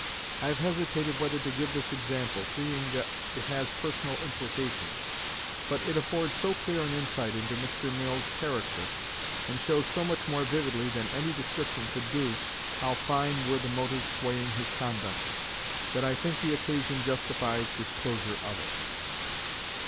I have hesitated whether to give this example, seeing that it has personal implications. But it affords so clear an insight into Mr. Mill's character, and shows so much more vividly than any description could do how fine were the motives swaying his conduct, that I think the occasion justifies disclosure of it.